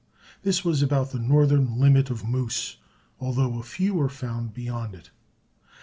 This was about the northern limit of moose, although a few are found beyond it.